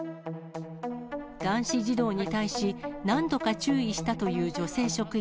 男子児童に対し、何度か注意したという女性職員。